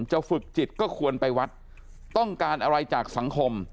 ฝึกจิตก็ควรไปวัดต้องการอะไรจากสังคม